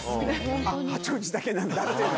あっ、八王子だけなんだっていうの。